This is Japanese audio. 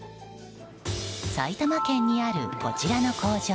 埼玉県にあるこちらの工場。